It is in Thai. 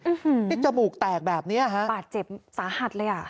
อื้อหือนี่จมูกแตกแบบนี้ฮะปาดเจ็บสาหัสเลยอ่ะ